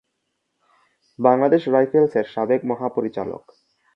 বাংলাদেশ রাইফেলসের সাবেক মহাপরিচালক।